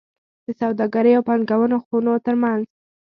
د سوداګرۍ او پانګونو خونو ترمنځ